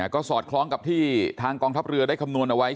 ก็สอดคล้องกับที่ทางกองทัพเรือได้คำนวณเอาไว้